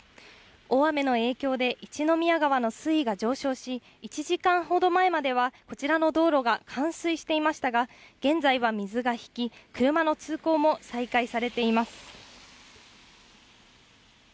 大雨の影響で、一宮川の水位が上昇し、１時間ほど前まではこちらの道路が冠水していましたが、現在は水が引き、車の通行も再開されています。